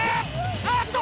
あっと！